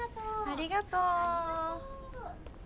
ありがとう。